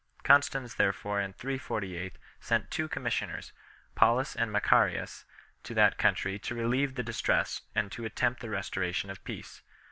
Constans therefore in 348 sent two commis sioners, Paulus and Macarius, to that country to relieve the distress and to attempt the restoration of peace.